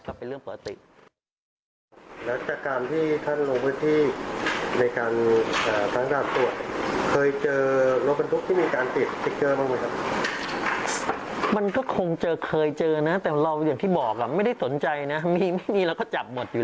ก็เป็นเรื่องเปิดติด